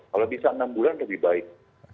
kalau bisa enam bulan lebih baik